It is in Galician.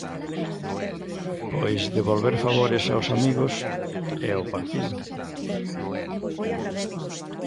Pois devolver favores aos amigos e ao partido.